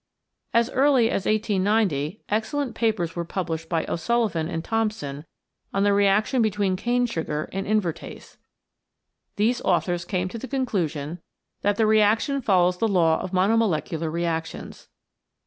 As early as 1890 excellent papers were published by O'Sullivan and Thompson on the reaction between cane sugar and invertase. These authors came to the conclu 108 CATALYSIS AND THE ENZYMES sion that the reaction follows the law of monomole cular reactions.